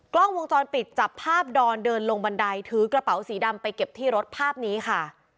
กล้องวงจรปิดจับภาพดอนเดินลงบันไดถือกระเป๋าสีดำไปเก็บที่รถภาพนี้ค่ะ